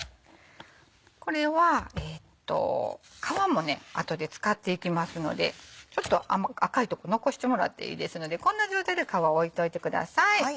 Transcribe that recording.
これは皮もね後で使っていきますのでちょっと赤い所残してもらっていいですのでこんな状態で皮は置いといてください。